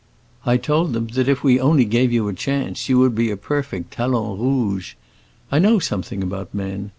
I told them that if we only gave you a chance you would be a perfect talon rouge. I know something about men.